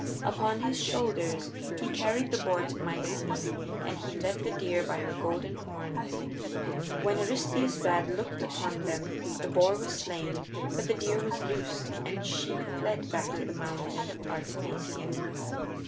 Upon his shoulders he carried the boar to Myceaæ and he led the deer by her golden horns. When Eurystheus bad looked upon them the boar was slain, but the deer was loosed and she fled back to the Mountain Artemision.